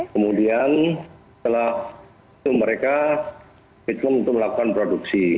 kemudian setelah itu mereka komitmen untuk melakukan produksi